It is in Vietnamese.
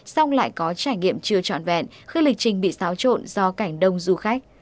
xong lại có trải nghiệm chưa trọn vẹn khi lịch trình bị xáo trộn do cảnh đông du khách